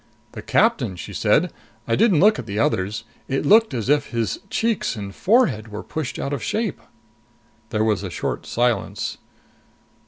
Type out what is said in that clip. "The captain," she said. "I didn't look at the others. It looked as if his cheeks and forehead were pushed out of shape!" There was a short silence.